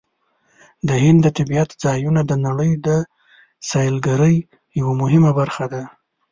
د هند د طبیعت ځایونه د نړۍ د سیلګرۍ یوه مهمه برخه ده.